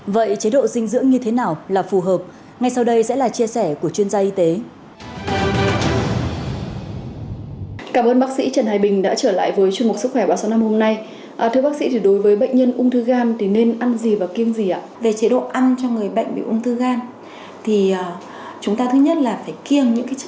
vậy chế độ dinh dưỡng như thế nào là phù hợp ngay sau đây sẽ là chia sẻ của chuyên gia y tế